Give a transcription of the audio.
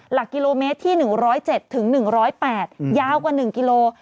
หลักกิโลเมตรที่๑๐๗๑๐๘ยาวกว่า๑กิโล